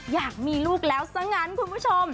อยากมีลูกแล้วซะงั้นคุณผู้ชม